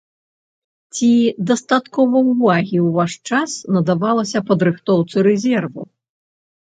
Ці дастаткова ўвагі ў ваш час надавалася падрыхтоўцы рэзерву?